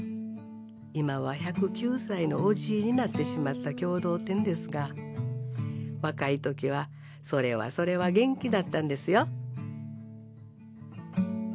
今は１０９歳のおじぃになってしまった共同店ですが若い時はそれはそれは元気だったんですよ。